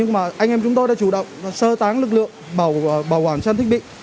và anh em chúng tôi đã chủ động sơ táng lực lượng bảo quản trang thích bị